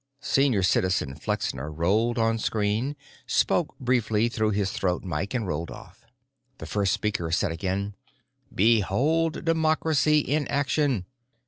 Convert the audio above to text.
Senior Citizen Flexner rolled on screen, spoke briefly through his throat mike and rolled off. The first speaker said again, "Behold Democracy in Action!